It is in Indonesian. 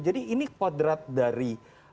jadi ini kwadrat dari